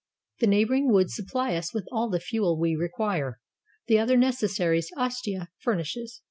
The neighbor ing woods supply us with all the fuel we require, the other necessaries Ostia furnishes.